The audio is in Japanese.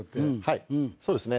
はいそうですね。